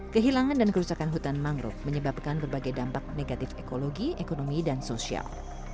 kehilangan dan kerusakan hutan mangrove menyebabkan berbagai dampak negatif ekologi ekonomi dan sosial